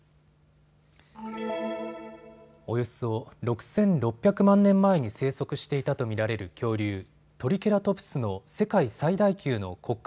およそ６６００万年前に生息していたと見られる恐竜、トリケラトプスの世界最大級の骨格